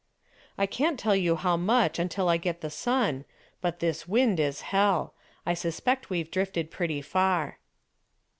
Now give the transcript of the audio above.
"I can't tell just how much until I get the sun, but this wind is hell. I suspect we've drifted pretty far."